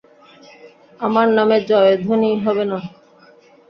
আমার নামে জয়ধ্বনি হবে না?